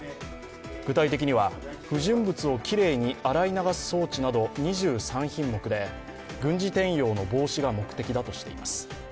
具体的には、不純物をきれいに洗い流す装置など２３品目で軍事転用の防止が目的だとしています。